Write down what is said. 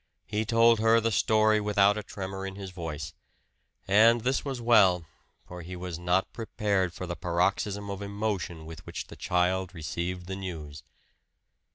He told her the story without a tremor in his voice. And this was well, for he was not prepared for the paroxysm of emotion with which the child received the news.